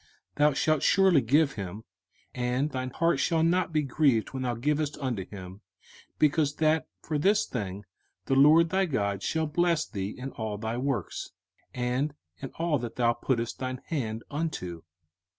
05:015:010 Thou shalt surely give him, and thine heart shall not be grieved when thou givest unto him: because that for this thing the LORD thy God shall bless thee in all thy works, and in all that thou puttest thine hand unto.